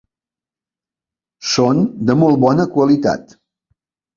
Són de molt bona qualitat.